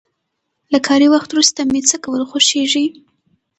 له کاري وخت وروسته مې څه کول خوښيږي؟